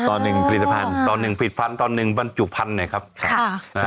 ต่อหนึ่งผลิตภัณฑ์ต่อหนึ่งผลิตภัณฑ์ต่อหนึ่งบรรจุพันธุ์หน่อยครับค่ะนะฮะ